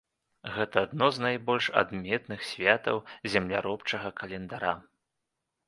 Гэта адно з найбольш адметных святаў земляробчага календара.